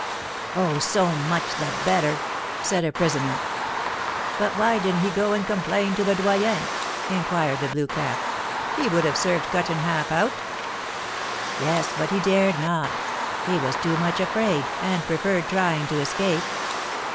"Oh, so much the better," said a prisoner. "But why didn't he go and complain to the Doyen?" inquired the blue cap; "he would have served Cut in Half out." "Yes, but he dared not; he was too much afraid, and preferred trying to escape.